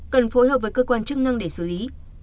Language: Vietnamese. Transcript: cần phối hợp với cơ quan chức năng để xử lý